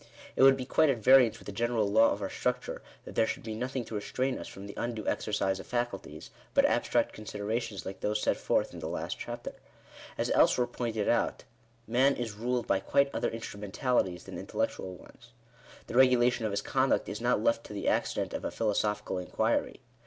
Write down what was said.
It would be quite at variance with the general law of our structure, that there should be nothing to restrain us from the undue exercise of faculties, but abstract considerations like those set forth in the last chapter. As elsewhere pointed out (p. 19), man is ruled by quite other in strumentalities than intellectual ones. The regulation of his conduct is not left to the accident of a philosophical inquiry.